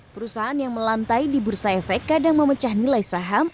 perusahaan yang melantai di bursa efek kadang memecah nilai saham